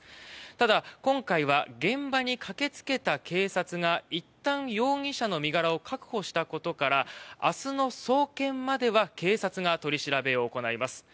ただ、今回は現場に駆け付けた警察がいったん、容疑者の身柄を確保したことから明日の送検までは警察が取り調べを行います。